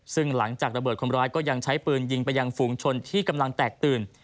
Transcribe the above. ซึ่งหลังจากระเบิดคนร้ายก็ยังใช้ปืนยิงไปยังฝูงชนที่กำลังแตกตื่น